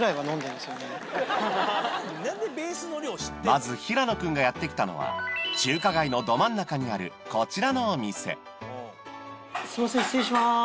まず平野君がやって来たのは中華街のど真ん中にあるこちらのお店すいません失礼します。